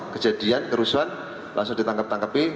kejadian kerusuhan langsung ditangkap tangkapi